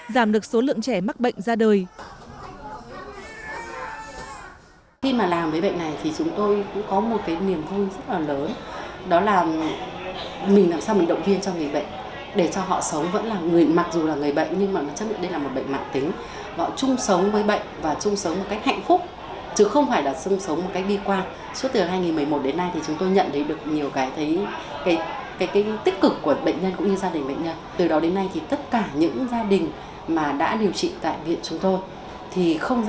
giảm được số lượng trẻ mắc bệnh ra đời